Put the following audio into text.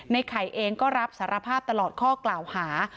ไข่เองก็รับสารภาพตลอดข้อกล่าวหา